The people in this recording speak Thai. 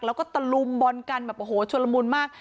แล้วก็ตลุมบนกันโอ้โฮชวนละมุนมาก